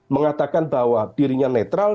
mengatakan bahwa dirinya netral